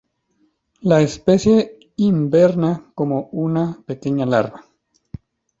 La especie hiberna como una pequeña larva.